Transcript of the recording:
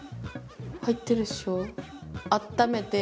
入ってるでしょ。